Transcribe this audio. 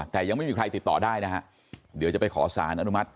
แต่ยังไม่มีใครติดต่อได้นะฮะเดี๋ยวจะไปขอสารอนุมัติ